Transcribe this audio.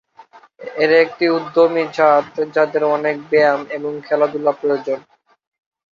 এরা একটি উদ্যমী জাত যাদের অনেক ব্যায়াম এবং খেলাধুলা প্রয়োজন।